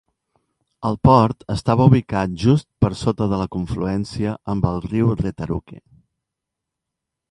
El port estava ubicat just per sota de la confluència amb el riu Retaruke.